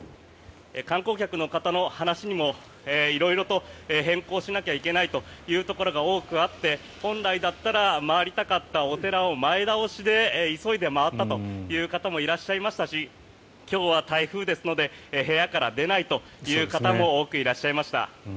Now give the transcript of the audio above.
観光客の方の話にも色々と変更しなきゃいけないというところが多くあって本来だったら回りたかったお寺を前倒しで急いで回ったという方もいらっしゃいましたし今日は台風ですので部屋から出ないという方も多くいらっしゃいました。